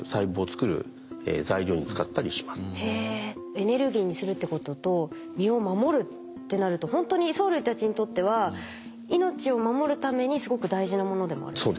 エネルギーにするってことと身を守るってなるとほんとに藻類たちにとっては命を守るためにすごく大事なものでもあるんですね。